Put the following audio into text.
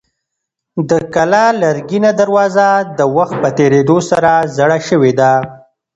د کلا لرګینه دروازه د وخت په تېرېدو سره زړه شوې ده.